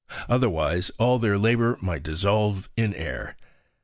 Otherwise, all their labour might dissolve in air.